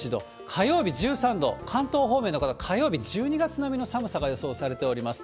火曜日１３度、関東方面の方、火曜日、１２月並みの寒さが予想されております。